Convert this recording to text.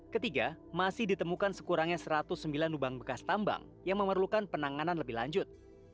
ketiga masih ditemukan sekurangnya satu ratus sembilan lubang bekas tambang yang memerlukan penanganan lebih lanjut